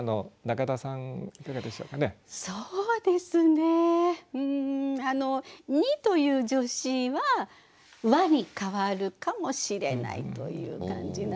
そうですねうん「に」という助詞は「は」に変わるかもしれないという感じなんですけど。